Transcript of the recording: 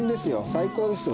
最高ですよ